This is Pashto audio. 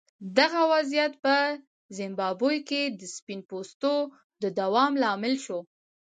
دغه وضعیت په زیمبابوې کې د سپین پوستو د دوام لامل شو.